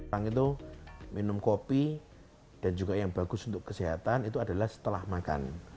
yang paling penting untuk menikmati kopi adalah setelah makan